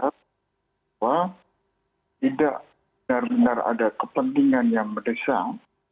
bahwa tidak benar benar ada kepentingan yang mendesak